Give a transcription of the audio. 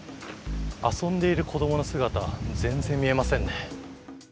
遊んでいる子どもの姿は全然見えませんね。